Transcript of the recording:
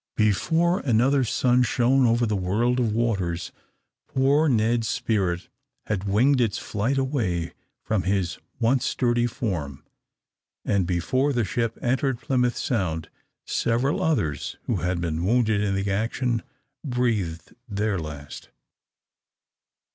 Before another sun shone over the world of waters, poor Ned's spirit had winged its flight away from his once sturdy form; and before the ship entered Plymouth Sound, several others who had been wounded in the action breathed their last.